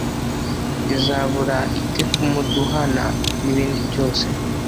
izabura ite kumuduhana n'ibindi byose?